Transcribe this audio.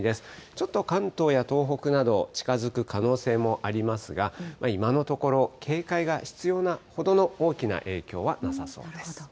ちょっと関東や東北など近づく可能性もありますが、今のところ、警戒が必要なほどの大きな影響はなさそうです。